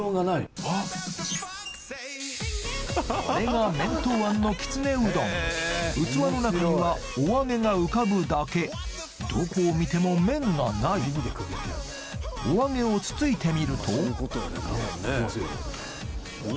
これが麺闘庵のきつねうどん器の中にはお揚げが浮かぶだけどこを見ても麺がないお揚げをつついてみるといきますよ。